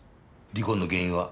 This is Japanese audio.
離婚の原因は？